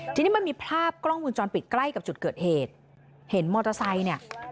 ทีนี้มันมีภาพกล้องวงจรปิดใกล้กับจุดเกิดเหตุเห็นมอเตอร์ไซค์เนี่ย